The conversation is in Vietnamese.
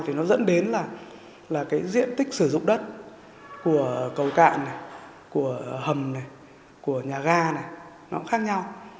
thì nó dẫn đến là cái diện tích sử dụng đất của cầu cạn này của hầm này của nhà ga này nó cũng khác nhau